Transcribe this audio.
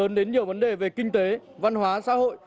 nhiều vấn đề về kinh tế văn hóa xã hội